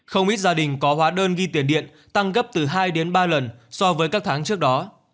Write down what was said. không ít gia đình có hóa đơn ghi tiền điện tăng gấp từ hai đến ba lần so với các tháng trước đó